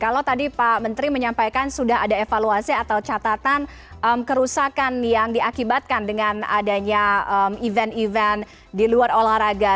kalau tadi pak menteri menyampaikan sudah ada evaluasi atau catatan kerusakan yang diakibatkan dengan adanya event event di luar olahraga